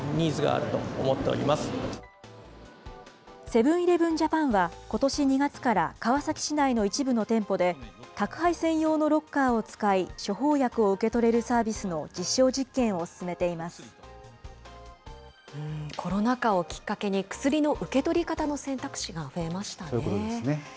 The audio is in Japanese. セブン−イレブン・ジャパンは、ことし２月から川崎市内の一部の店舗で、宅配専用のロッカーを使い処方薬を受け取れるサービスの実証実験コロナ禍をきっかけに薬の受そういうことですね。